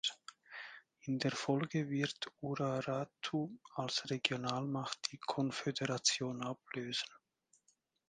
In der Folge wird Urartu als Regionalmacht die Konföderation ablösen.